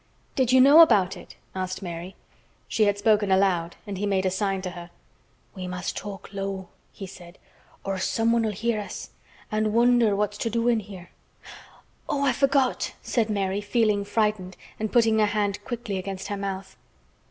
"Did you know about it?" asked Mary. She had spoken aloud and he made a sign to her. "We must talk low," he said, "or someone'll hear us an' wonder what's to do in here." "Oh! I forgot!" said Mary, feeling frightened and putting her hand quickly against her mouth.